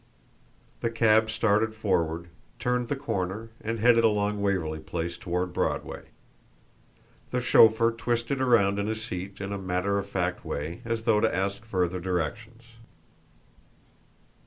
The cab started forward, turned the corner, and headed along Waverly Place toward Broadway. The chauffeur twisted around in his seat in a matter of fact way, as though to ask further directions.